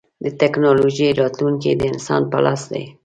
د ټکنالوجۍ راتلونکی د انسان په لاس دی.